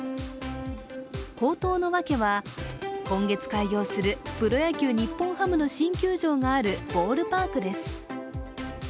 高騰の訳は今月開業するプロ野球日本ハムの新球場があるボールパークです。